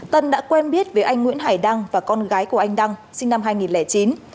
tân đã quen biết với anh nguyễn hải đăng và con gái của anh đăng sinh năm hai nghìn chín